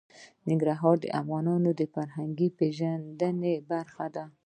ننګرهار د افغانانو د فرهنګي پیژندنې برخه ده.